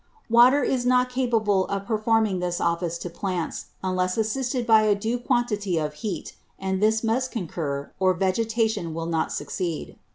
8. _Water is not capable of performing this Office to Plants, unless assisted by a due Quantity of Heat; and this must concur, or Vegetation will not succeed.